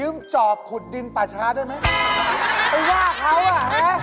ยืมจอบขุดดินป่าชาด้วยไหม